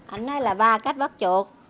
anh nói là ba cách bắt chuột